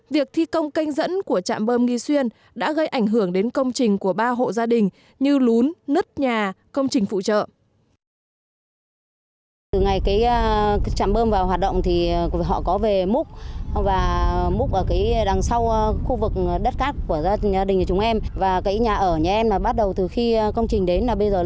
việc thi công canh dẫn của trạm bơm nghi xuyên đã gây ảnh hưởng đến công trình của ba hộ gia đình như lún nứt nhà công trình phụ trợ